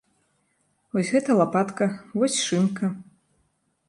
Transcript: Вось гэта лапатка, вось шынка.